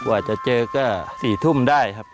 ว่าอาจจะเจอก็สี่ทุ่มได้ครับ